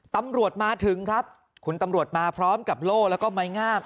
ตำรวจมาถึงครับคุณตำรวจมาพร้อมกับโล่แล้วก็ไม้งาม